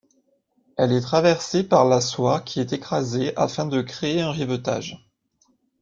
Elle est traversée par la soie qui est écrasée afin de créer un rivetage.